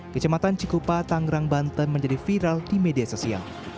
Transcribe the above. kecematan cikupa tanggerang banten menjadi viral di media sosial